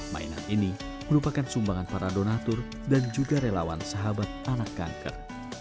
mainan ini merupakan sumbangan para donatur dan juga relawan sahabat anak kanker